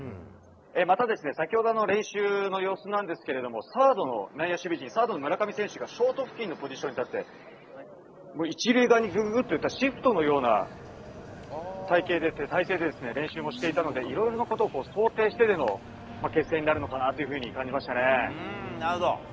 また、先ほど、練習の様子なんですけれども、サードの内野守備陣、サードの村上選手がショート付近のポジションに立って、１塁側にぐぐっと寄ったシフトのような体勢で練習もしていたので、いろいろなことを想定してでの決戦になるのかなというふうに感じなるほど。